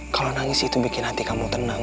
kalau nangis itu bikin hati kamu tenang